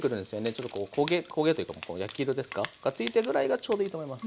ちょっとこう焦げというか焼き色ですかがついたぐらいがちょうどいいと思います。